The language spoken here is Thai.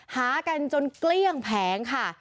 หากันจนเกลี้ยงแผงค่ะ